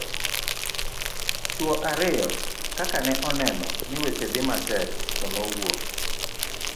chuwo ariyo ka kane oneno ni weche dhi matek to nowuok